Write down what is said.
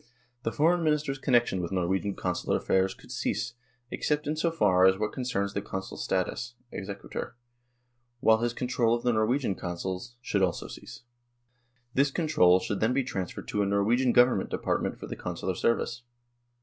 The Foreign Minister's connection with Norwegian Consular affairs should cease, except in so far as what concerns the Consul's status (exequatur), while his control of the Norwegian Consuls should also cease. This control should then be transferred to a Norwegian Government department for the Consular service."